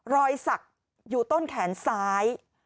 รอยสักอยู่ต้นแขนซ้าย